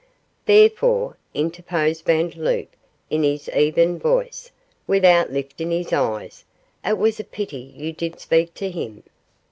'Therefore,' interposed Vandeloup, in his even voice, without lifting his eyes, 'it was a pity you did speak to him.